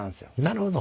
なるほど。